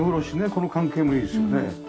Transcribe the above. この関係もいいですよね。